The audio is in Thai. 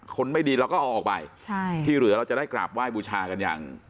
คนไม่ดีเราก็เอาออกไปใช่ที่เหลือเราจะได้กราบไหว้บูชากันอย่าง